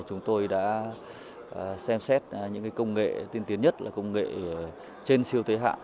chúng tôi đã xem xét những công nghệ tiên tiến nhất là công nghệ trên siêu tế hạng